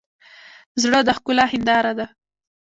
زړه د ښکلا هنداره ده.